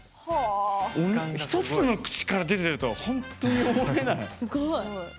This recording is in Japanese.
１つの口からでてると本当に思えない。